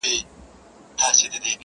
• او خبري نه ختمېږي هېڅکله..